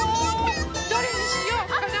どれにしようかな？